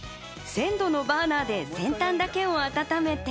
１０００度のバーナーで先端だけを温めて。